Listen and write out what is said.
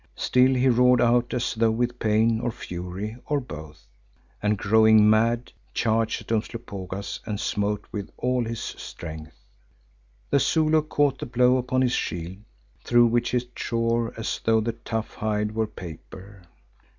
Still he roared out as though with pain, or fury, or both, and growing mad, charged at Umslopogaas and smote with all his strength. The Zulu caught the blow upon his shield, through which it shore as though the tough hide were paper.